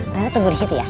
rena tunggu disitu ya